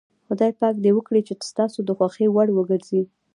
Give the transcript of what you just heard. خدای پاک دې وکړي چې ستاسو د خوښې وړ وګرځي.